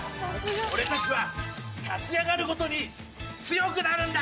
俺たちは立ち上がるごとに強くなるんだ！